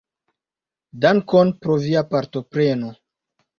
Dankon pro via partopreno.